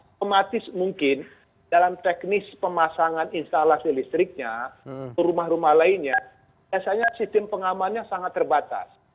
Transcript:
otomatis mungkin dalam teknis pemasangan instalasi listriknya rumah rumah lainnya biasanya sistem pengamannya sangat terbatas